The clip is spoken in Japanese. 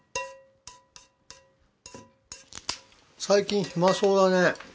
最近暇そうだね。